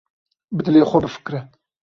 Bi dilê xwe bifikre.